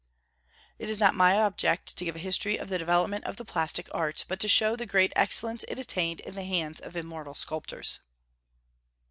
It is not my object to give a history of the development of the plastic art, but to show the great excellence it attained in the hands of immortal sculptors.